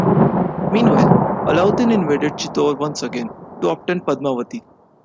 Meanwhile, Alauddin invaded Chittor once again, to obtain Padmavati.